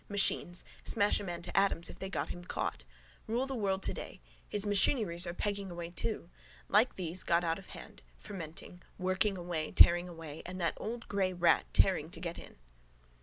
Machines. Smash a man to atoms if they got him caught. Rule the world today. His machineries are pegging away too. Like these, got out of hand: fermenting. Working away, tearing away. And that old grey rat tearing to get in.